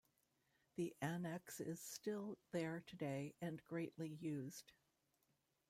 The annexe is still there today and greatly used.